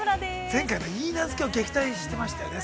◆前回の、いいなずけを撃退していましたね。